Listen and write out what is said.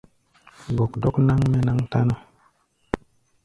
Gɔkdɔk náŋ-mɛ́ náŋ táná.